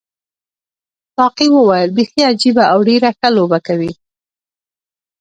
ساقي وویل بیخي عجیبه او ډېره ښه لوبه کوي.